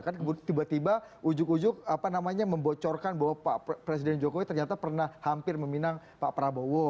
kan tiba tiba ujug ujug membocorkan bahwa presiden jokowi ternyata pernah hampir meminang pak prabowo